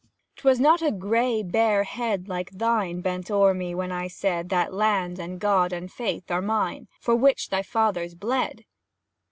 'Twas not a grey, bare head, like thine, Bent o'er me, when I said, "That land and God and Faith are mine, For which thy fathers bled."